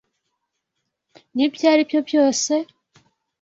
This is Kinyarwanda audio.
Nibyo aribi byose?